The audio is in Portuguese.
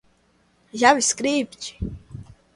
javascript